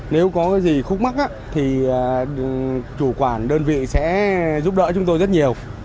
nếu có gì khúc mắt thì chủ quản đơn vị sẽ giúp đỡ chúng tôi rất nhiều